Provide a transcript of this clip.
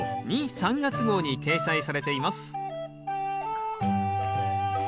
・３月号に掲載されています